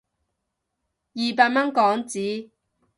二百蚊港紙